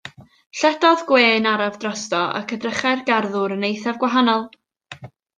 Lledodd gwên araf drosto ac edrychai'r garddwr yn eithaf gwahanol.